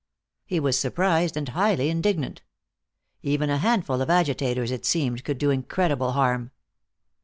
He was surprised and highly indignant. Even a handful of agitators, it seemed, could do incredible harm.